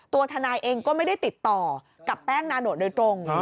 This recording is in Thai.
ตัวทนายเองก็ไม่ได้ติดต่อกับแป้งนาโนตโดยตรง